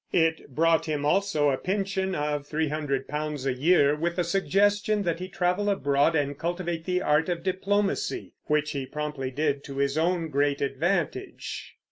It brought him also a pension of three hundred pounds a year, with a suggestion that he travel abroad and cultivate the art of diplomacy; which he promptly did to his own great advantage.